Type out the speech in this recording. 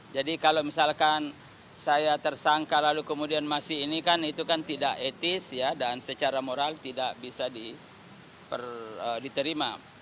jadi kalau misalkan saya tersangka lalu kemudian masih ini kan itu kan tidak etis dan secara moral tidak bisa diterima